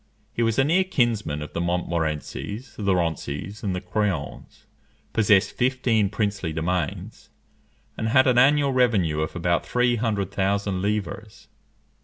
He was a near kinsman of the Montmorencys, the Roncys, and the Craons; possessed fifteen princely domains, and had an annual revenue of about three hundred thousand livres.